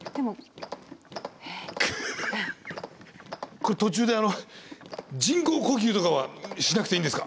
これ途中で人工呼吸とかはしなくていいんですか？